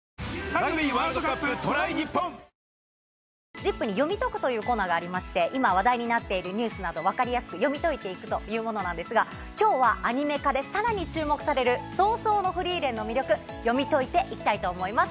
『ＺＩＰ！』に「？よミトく！」というコーナーがありまして今話題になっているニュースなど分かりやすく読み解いていくというものなんですが今日はアニメ化でさらに注目される『葬送のフリーレン』の魅力読み解いていきたいと思います！